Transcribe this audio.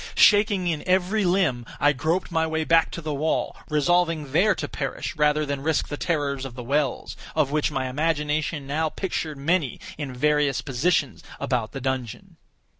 Shaking in every limb, I groped my way back to the wall—resolving there to perish rather than risk the terrors of the wells, of which my imagination now pictured many in various positions about the dungeon.